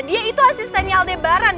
dia itu asistennya aldebaran